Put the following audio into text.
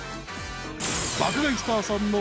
［爆買いスターさんの］